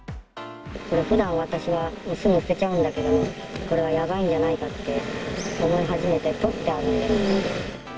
ふだん、私はすぐ捨てちゃうんだけども、これはやばいんじゃないかって思い始めて、取ってあるんです。